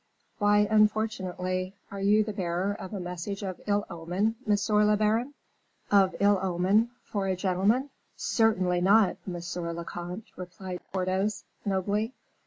"Why unfortunately? Are you the bearer of a message of ill omen, monsieur le baron?" "Of ill omen for a gentleman? Certainly not, monsieur le comte," replied Porthos, nobly.